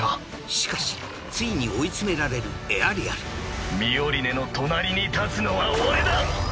しかしついに追い詰められるエアリアルミオリネの隣に立つのは俺だ！